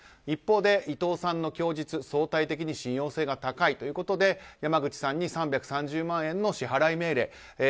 一方で、伊藤さんの供述相対的に信用性が高いということで山口さんに３３０万円の支払い命令。